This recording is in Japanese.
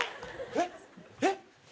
えっ？えっ？